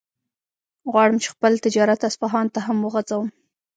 غواړم چې خپل تجارت اصفهان ته هم وغځوم.